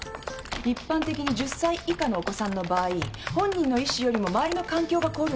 一般的に１０歳以下のお子さんの場合本人の意思よりも周りの環境が考慮されます。